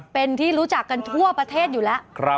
เป็นที่รู้จักกันทั่วประเทศอยู่แล้ว